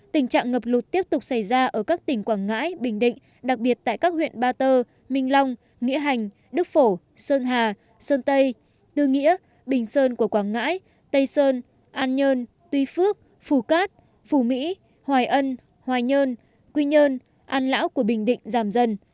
tình trạng ngập lụt tiếp tục xảy ra ở các tỉnh quảng ngãi bình định đặc biệt tại các huyện ba tơ minh long nghĩa hành đức phổ sơn hà sơn tây tư nghĩa bình sơn của quảng ngãi tây sơn an nhơn tuy phước phù cát phù mỹ hoài ân hoài nhơn quy nhơn an lão của bình định giảm dần